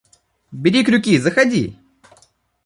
Бери крюки, заходи!